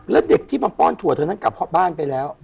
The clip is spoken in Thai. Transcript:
แล้วเด็กที่มาป้อนถั่วเธอนั้นกลับเพราะบ้านไปแล้ว